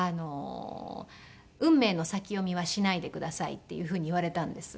「運命の先読みはしないでください」っていうふうに言われたんです。